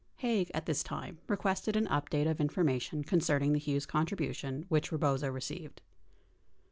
Haig, at this time, requested an update of information concerning the Hughes contribution which Eebozo received.